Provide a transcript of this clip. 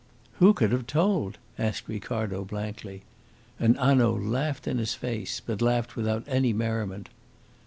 "Who could have told?" asked Ricardo blankly, and Hanaud laughed in his face, but laughed without any merriment.